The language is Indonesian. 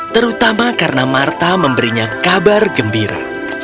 terutama karena marta memberinya kabar gembira